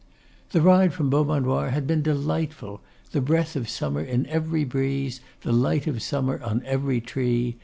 The ride from Beaumanoir had been delightful; the breath of summer in every breeze, the light of summer on every tree.